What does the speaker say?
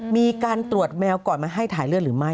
มีการตรวจแมวก่อนมาให้ถ่ายเลือดหรือไม่